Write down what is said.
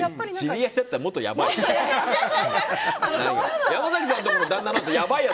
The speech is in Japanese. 知り合いだったらもっとやばいよ。